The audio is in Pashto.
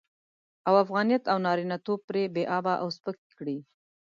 او افغانيت او نارينه توب پرې بې آبه او سپک کړي.